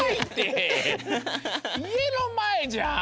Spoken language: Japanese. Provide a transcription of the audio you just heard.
いえのまえじゃん！